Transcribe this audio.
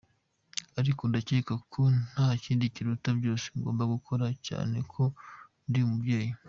Ariko ndakeka ko nta kindi kiruta byose ngomba gukora, cyane ko ndi umubyeyi.